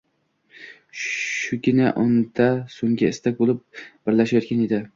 Shugina unda so’nggi istak bo’lib birlashayotgan edi.